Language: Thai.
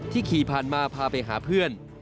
ขี่ผ่านมาพาไปหาเพื่อน